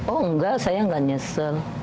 oh enggak saya nggak nyesel